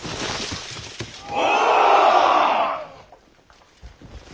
お！